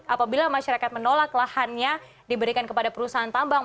apabila masyarakat menolak lahannya diberikan kepada perusahaan tambang